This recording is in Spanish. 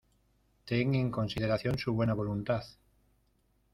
¡Ten en consideración su buena voluntad!